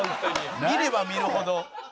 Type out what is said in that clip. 見れば見るほど。